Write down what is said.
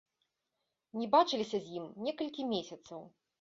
Не бачыліся з ім некалькі месяцаў.